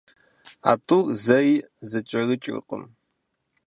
А тӀур зэи зэкӀэрыкӀыркъым.